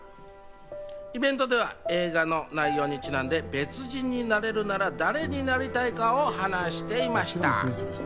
イベントでは映画の内容にちなんで別人になれるなら、誰になりたいかを話していました。